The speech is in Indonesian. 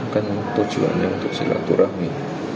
kan tujuannya untuk silaturahmi